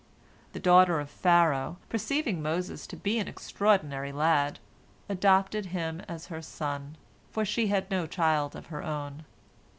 The daughter of Pharaoh, perceiving Moses to be an extraordinary lad, adopted him as her son, for she had no child of her own.